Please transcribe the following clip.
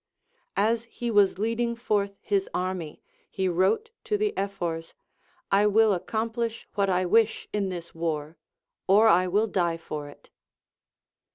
As he was leading forth his army, he wrote to the Ephors, I will accomplish what I wish in this war, or I will die for it.